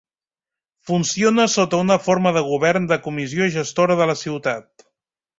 Funciona sota una forma de govern de comissió gestora de la ciutat.